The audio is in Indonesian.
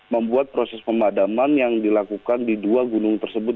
membuat proses pemadaman yang dilakukan di dua gunung tersebut